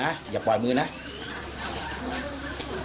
หมาก็เห่าตลอดคืนเลยเหมือนมีผีจริง